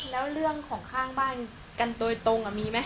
แล้วเรื่องของข้างบ้านกันโดยตรงมีไหม